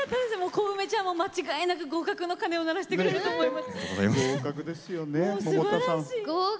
幸芽ちゃんも間違いなく合格の鐘を鳴らしてくれると思います。